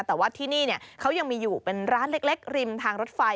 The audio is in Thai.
แต่ว่าที่นี่เขายังมีอยู่เป็นร้านเล็กริมทางรถไฟ